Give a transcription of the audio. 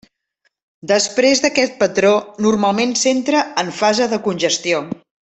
Després d'aquest patró normalment s'entra en fase de congestió.